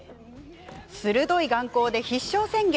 鋭い眼光で必勝宣言。